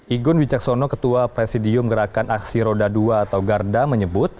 igun wijaksono ketua presidium gerakan aksi roda dua atau garda menyebut